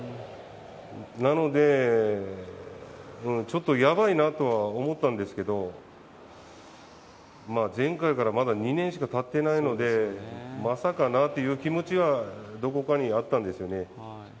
なので、ちょっとやばいなとは思ったんですけど、前回からまだ２年しかたっていないので、まさかなという気持ちはどこかにあったんですよね。